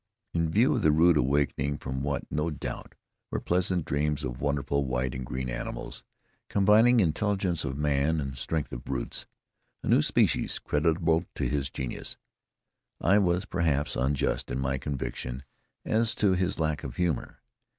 In view of the rude awakening from what, no doubt, were pleasant dreams of wonderful white and green animals, combining the intelligence of man and strength of brutes a new species creditable to his genius I was perhaps unjust in my conviction as to his lack of humor.